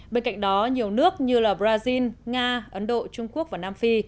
bên cạnh đó nhiều nước như brazil nga ấn độ trung quốc và nam phi